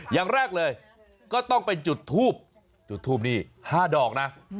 อย่างแรกเลยก็ต้องไปจุดทูบจุดทูปนี่๕ดอกนะ